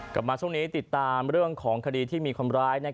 กลับมาช่วงนี้ติดตามเรื่องของคดีที่มีคนร้าย